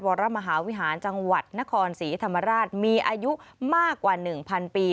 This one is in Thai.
วรมหาวิหารจังหวัดนครศรีธรรมราชมีอายุมากกว่า๑๐๐ปี